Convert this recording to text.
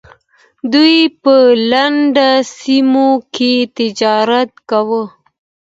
دوی په لرې سیمو کې تجارت کاوه